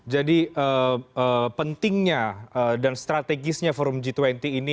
jadi pentingnya dan strategisnya forum g dua puluh ini